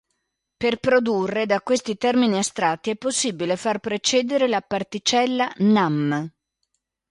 Per produrre, da questi, termini astratti è possibile far precedere la particella "nam-".